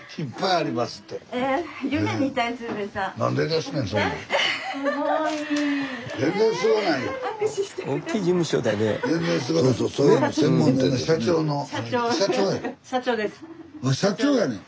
あ社長やねん。